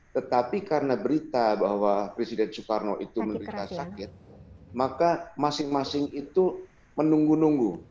tetapi karena berita bahwa presiden soekarno itu menderita sakit maka masing masing itu menunggu nunggu